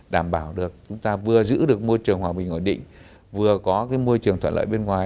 đảm bảo được chúng ta vừa giữ được môi trường hòa bình ổn định vừa có cái môi trường thuận lợi bên ngoài